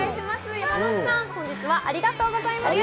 山之内さん、本日はありがとうございました。